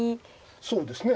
そうですね。